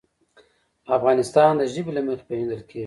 افغانستان د ژبې له مخې پېژندل کېږي.